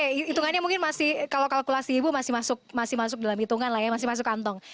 oke hitungannya mungkin masih kalau kalkulasi ibu masih masuk dalam hitungan lah ya masih masuk kantong